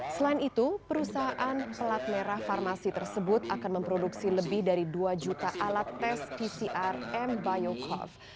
selain itu perusahaan pelat merah farmasi tersebut akan memproduksi lebih dari dua juta alat tes pcr m biocov